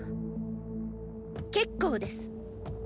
結構です。